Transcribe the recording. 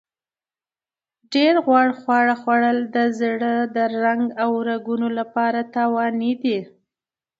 ډېر غوړ خواړه خوړل د زړه د رنګ او رګونو لپاره تاواني دي.